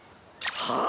はあ